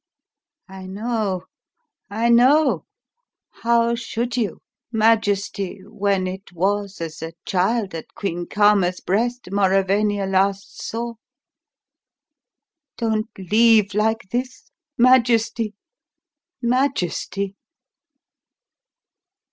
"I know I know. How should you. Majesty, when it was as a child at Queen Karma's breast Mauravania last saw Don't leave like this! Majesty! Majesty!